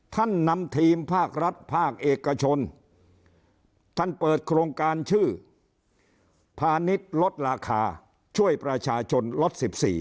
นำทีมภาครัฐภาคเอกชนท่านเปิดโครงการชื่อพาณิชย์ลดราคาช่วยประชาชนลด๑๔